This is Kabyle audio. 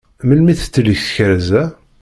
Melmi i d-tettili tkerza?